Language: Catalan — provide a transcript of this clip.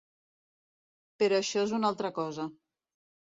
Però això és una altra cosa.